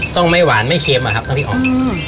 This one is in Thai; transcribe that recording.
ต้องไม่หวานไม่เค็มน้ำพริกอ๋อง